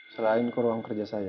selain ke ruang kerja saya